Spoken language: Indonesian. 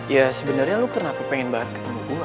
ya sebenarnya lo kenapa pengen banget ketemu gue